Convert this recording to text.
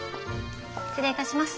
失礼いたします。